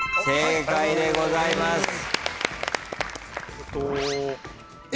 正解でございます。